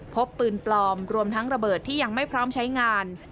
พบปืนปลอมรวมทั้งระเบิดที่ยังไม่พร้อมใช้งาน